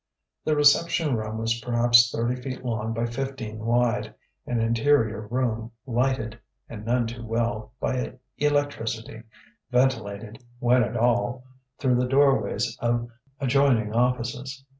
The reception room was perhaps thirty feet long by fifteen wide: an interior room, lighted, and none too well, by electricity, ventilated, when at all, through the doorways of adjoining offices.